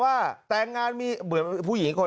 การนอนไม่จำเป็นต้องมีอะไรกัน